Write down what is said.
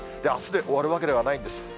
あすで終わるわけではないんです。